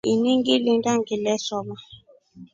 Ini ngilinda nginesoma.